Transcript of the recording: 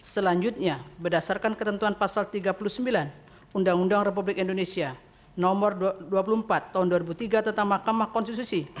selanjutnya berdasarkan ketentuan pasal tiga puluh sembilan undang undang republik indonesia nomor dua puluh empat tahun dua ribu tiga tentang mahkamah konstitusi